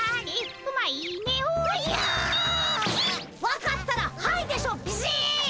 分かったら「はい」でしょビシッ！